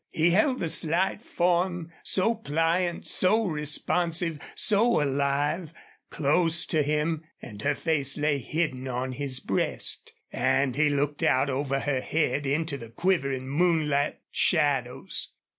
He held the slight form, so pliant, so responsive, so alive, close to him, and her face lay hidden on his breast; and he looked out over her head into the quivering moonlit shadows.